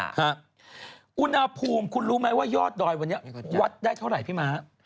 อุณหภูมิคุณรู้ไหมว่ายอดดอยวันนี้วัดได้เท่าไหร่พี่ม้า